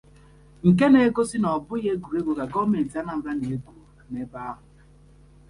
nke na-egosi na ọ bụghị egwuregwu ka gọọmentị Anambra na-egwù n'ebe ahụ